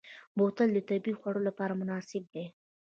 بوتل د طبعي خوړ لپاره مناسب دی.